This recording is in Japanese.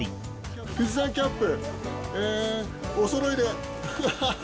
富士山キャップ、おそろいで。